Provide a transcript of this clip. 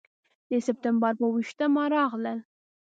د سپټمبر پر اوه ویشتمه راغلل.